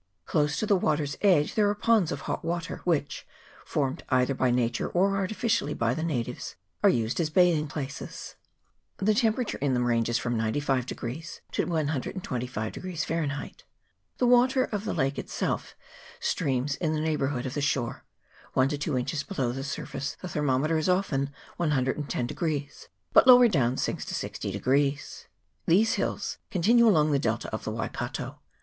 Close to the water's edge there are ponds of hot water, which, formed either by nature or artificially by the natives, are used as bathing places. The tempera ture in them ranges from 95 to 1 25 Fahrenheit ; the water of the lake itself streams in the neigh bourhood of the shore ; one to two inches below the surface the thermometer is often 110, but lower down sinks to 60. These hills continue along the delta of the Wai kato.